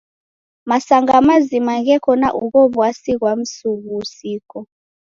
Masanga mazima gheko na ugho w'asi ghwa msughusiko.